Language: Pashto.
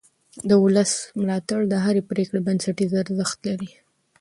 د ولس ملاتړ د هرې پرېکړې بنسټیز ارزښت لري